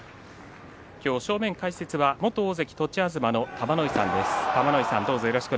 今日、正面解説は元大関栃東の玉ノ井さんです。